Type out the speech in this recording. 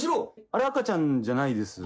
・あれ赤ちゃんじゃないです